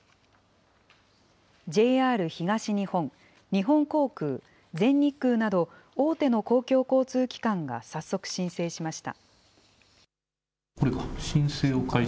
ＪＲ東日本、日本航空、全日空など、大手の公共交通機関が早速申請しました。